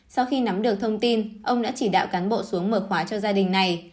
sau khi nắm được thông tin ông đã chỉ đạo cán bộ xuống mở khóa cho gia đình này